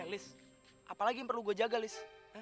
eh lis apalagi yang perlu gue jaga lis